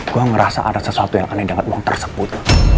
gue ngerasa ada sesuatu yang aneh denganmu tersebut